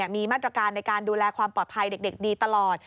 มีมาตรการในการดูแลความปลอดภัยเด็กดีตลอด